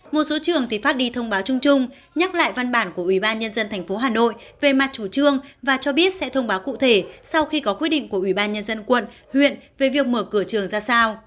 một số trường thì phát đi thông báo chung chung nhắc lại văn bản của ủy ban nhân dân tp hà nội về mặt chủ trương và cho biết sẽ thông báo cụ thể sau khi có quyết định của ủy ban nhân dân quận huyện về việc mở cửa trường ra sao